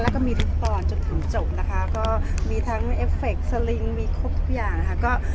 แล้วก็มีทุกตอนจนถึงจบนะคะก็มีทั้งเอฟเฟคสลิงมีครบทุกอย่างค่ะ